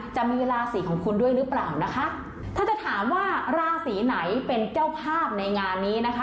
จะมีราศีของคุณด้วยหรือเปล่านะคะถ้าจะถามว่าราศีไหนเป็นเจ้าภาพในงานนี้นะคะ